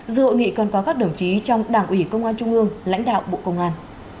dự hội nghị còn có các đồng chí trong đảng ủy công an trung ương lãnh đạo bộ công an